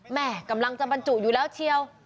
แม่กำลังจะบรรจุอยู่แล้วเชียว